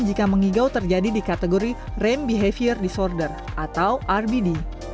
jika mengigau terjadi di kategori rame behavior disorder atau rbd